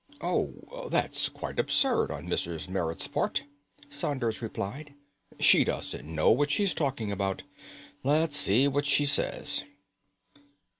"Oh, that's quite absurd on Mrs. Merrit's part," Saunders replied. "She doesn't know what she's talking about. Let's see what she says."